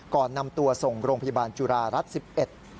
ก่อนนำตัวส่งโรงพยาบาลจุฬารัฐสิบเอ็ด